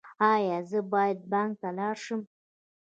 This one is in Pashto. ایا زه باید بانک ته لاړ شم؟